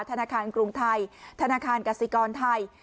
ธนาคารกรุงไทยธนาคารกสิกรไทย